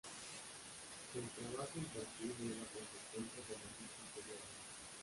El trabajo infantil es la consecuencia de lo dicho anteriormente.